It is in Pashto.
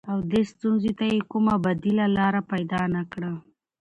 او دې ستونزې ته يې کومه بديله لاره پيدا نه کړه.